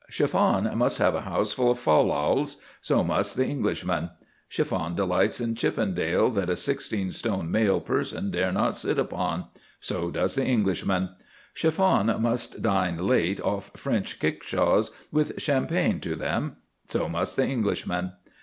Chiffon must have a house full of fal lals: so must the Englishman. Chiffon delights in Chippendale that a sixteen stone male person dare not sit upon: so does the Englishman. Chiffon must dine late off French kickshaws with champagne to them: so must the Englishman.